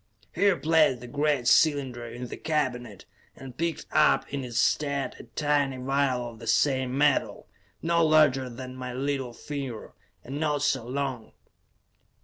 He replaced the great cylinder in the cabinet, and picked up in its stead a tiny vial of the same metal, no larger than my little finger, and not so long.